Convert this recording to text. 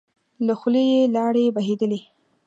له خولی يې لاړې بهېدلې.